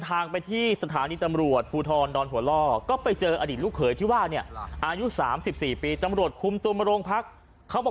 เขาบอกผมบริสุทธิ์นะผมไม่ได้ทำถึงแม้ผมจะเลิกกับแฟนแล้วก็เป็นลูกของเจ้าของบ้านไปแล้ว